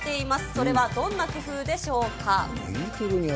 それはどんな工夫でしょうか。